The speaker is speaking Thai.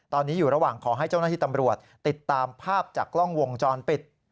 ตอนนี้อยู่ระหว่างขอให้เจ้าหน้าที่ตำรวจติดตามภาพจากกล้องวงจรปิด